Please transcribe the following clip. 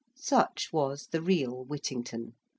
Such was the real Whittington.